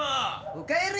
おかえり。